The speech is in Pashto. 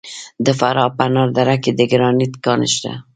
د فراه په انار دره کې د ګرانیټ کان شته.